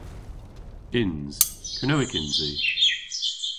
Yns. Kernewek yns i.